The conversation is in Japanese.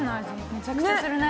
めちゃくちゃするね。